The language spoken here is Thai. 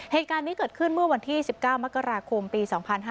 เหตุการณ์นี้เกิดขึ้นเมื่อวันที่๑๙มกราคมปี๒๕๕๙